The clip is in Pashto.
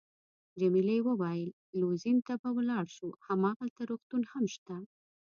جميلې وويل:: لوزین ته به ولاړ شو، هماغلته روغتون هم شته.